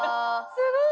すごい！